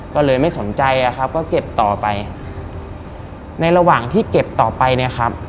ก็เลยไม่สนใจอะครับก็เก็บต่อไปในระหว่างที่เก็บต่อไปเนี่ยครับ